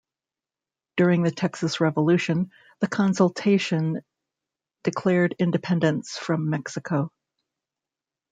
During the Texas Revolution, the Consultation declared independence from Mexico.